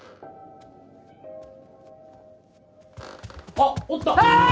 あっおった。